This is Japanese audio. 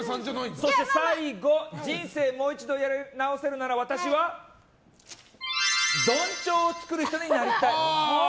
そして最後人生もう一度やり直せるなら私はどん帳を作る人になりたい。